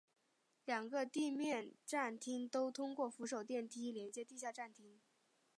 两个地面站厅都通过扶手电梯连接地下站厅。